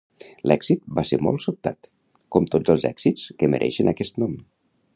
L'èxit va ser molt sobtat, com tots els èxits que mereixen aquest nom.